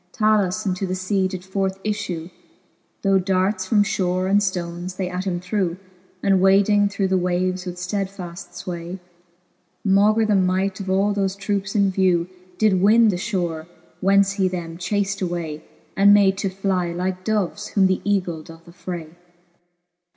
Talus into the lea did forth iffew, Though darts from fhore and ftones they at him threw; And wading through the waves with ftedfaft fway, Maugre the might of all thole troupes in vew, Did win the fhore, whence he them chaft away, And made to ^y^ like doves, whom th' eagle doth affray.